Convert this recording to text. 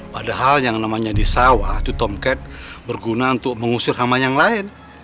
padahal yang namanya disawah itu tomcat berguna untuk mengusir hama yang lain